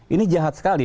ini jahat sekali